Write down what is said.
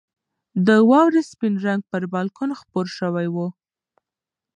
د واورې سپین رنګ پر بالکن خپور شوی و.